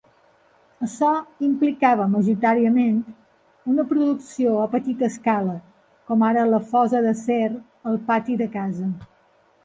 Això implicava majoritàriament una producció a petita escala, com ara la fosa d'acer "al pati de casa".